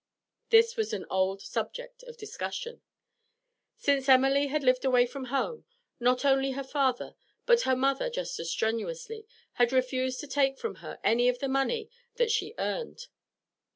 This was an old subject of discussion. Since Emily had lived away from home, not only her father, but her mother just as strenuously, had refused to take from her any of the money that she earned.